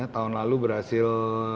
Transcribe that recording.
tahun lalu berhasil